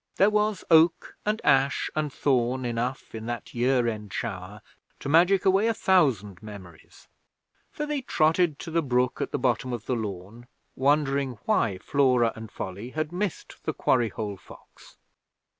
There was Oak and Ash and Thorn enough in that year end shower to magic away a thousand memories. So they trotted to the brook at the bottom of the lawn, wondering why Flora and Folly had missed the quarry hole fox.